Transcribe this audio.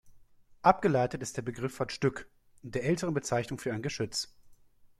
Abgeleitet ist der Begriff von "Stück", der älteren Bezeichnung für ein Geschütz.